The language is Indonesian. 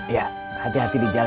ya hati hati di jalan